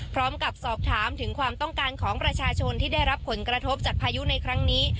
พร้อมกับสอบถามถึงความต้องการของประชาชนที่ได้รับผลกระทบจากพายุในครั้งนี้